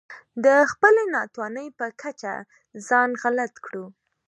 د خپلې ناتوانۍ په کچه ځان غلط کړو.